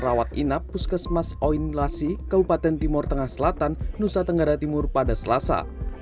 rawat inap puskesmas oin lasi kabupaten timur tengah selatan nusa tenggara timur pada selasa